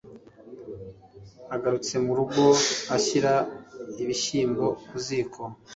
agarutse mu rugo ashyira ibishyimbo ku ziko.\